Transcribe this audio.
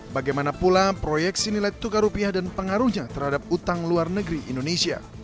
bagaimana pula proyeksi nilai tukar rupiah dan pengaruhnya terhadap utang luar negeri indonesia